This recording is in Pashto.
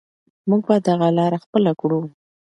موږ به دغه لاره خپله کړو.